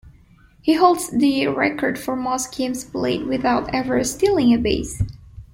He holds the record for most games played without ever stealing a base.